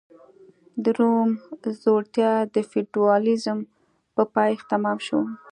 د روم ځوړتیا د فیوډالېزم په پایښت تمام شو